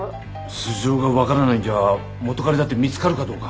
素性がわからないんじゃ元カレだって見つかるかどうか。